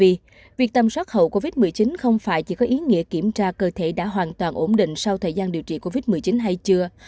vì việc tâm soát hậu covid một mươi chín không phải chỉ có ý nghĩa kiểm tra cơ thể đã hoàn toàn ổn định sau thời gian điều trị covid một mươi chín hay chưa